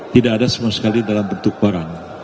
tidak ada sama sekali dalam bentuk barang